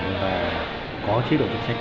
và có chế độ chính sách